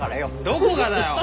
どこがだよ！